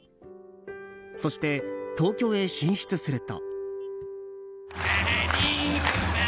そして、東京へ進出すると。